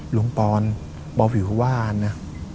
หลวงปรอนพอวิววาดนะ